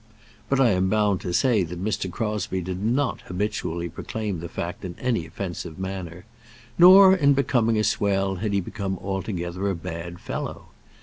But I am bound to say that Mr. Crosbie did not habitually proclaim the fact in any offensive manner; nor in becoming a swell had he become altogether a bad fellow.